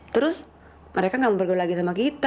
terus mereka nggak mau bergurau lagi sama kita